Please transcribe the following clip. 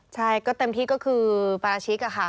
ใช่ก็เต็มที่ก็คือปราชิกอะค่ะ